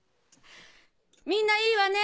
みんないいわね？